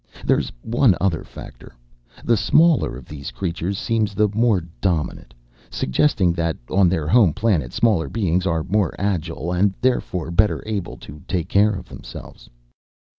There is one other factor the smaller of these creatures seems the more dominant suggesting that on their home planet smaller beings are more agile and therefore better able to take care of themselves."